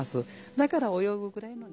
だから泳ぐぐらい。